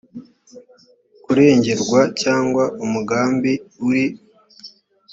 kurengerwa cyangwa umugambi uri